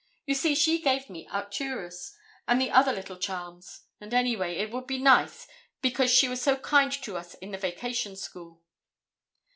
You see she gave me Arcturus and the other little charms. And anyway, it would be nice, because she was so kind to us in the vacation school."